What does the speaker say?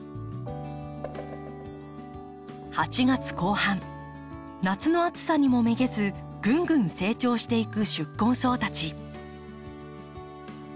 ８月後半夏の暑さにもめげずぐんぐん成長していく宿根草たち。